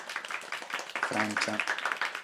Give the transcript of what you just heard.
Frantza.